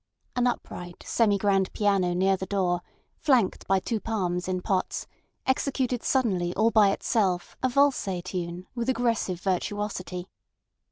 An upright semi grand piano near the door, flanked by two palms in pots, executed suddenly all by itself a valse tune with aggressive virtuosity.